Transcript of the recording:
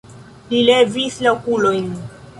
Li levis la okulojn.